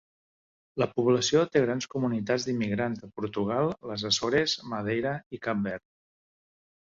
La població té grans comunitats d'immigrants de Portugal, les Açores, Madeira i Cap Verd.